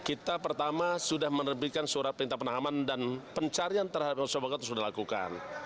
kita pertama sudah menerbitkan surat perintah penahanan dan pencarian terhadap saudara itu sudah dilakukan